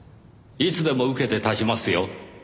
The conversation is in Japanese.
いつでも受けて立ちますよ。